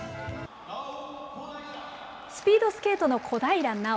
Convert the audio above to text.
スピードスケートの小平奈緒。